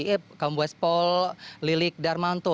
eh kamboespol lilik darmanto